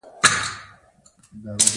آیا موږ په خپل کلتور نه ویاړو؟